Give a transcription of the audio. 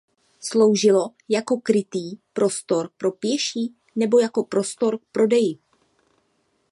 Sloužilo jako krytý prostor pro pěší nebo jako prostor k prodeji.